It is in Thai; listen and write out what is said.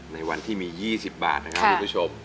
ในวันที่มี๒๐บาทนะครับคุณผู้ชม